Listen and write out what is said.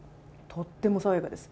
とっても爽やかです。